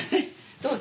どうぞ。